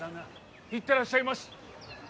行ってらっしゃいまし！